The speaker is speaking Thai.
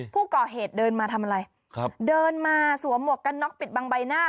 ผู้ก่อเหตุเดินมาทำอะไรครับเดินมาสวมหมวกกันน็อกปิดบังใบหน้า